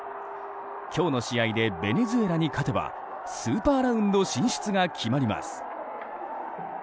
今日の試合でベネズエラ勝てばスーパーラウンド進出が決まります。